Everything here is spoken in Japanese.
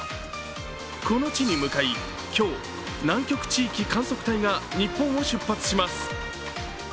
この地に向かい、今日、南極地域観測隊が日本を出発します。